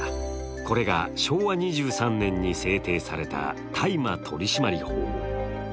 これが昭和２３年に制定された大麻取締法。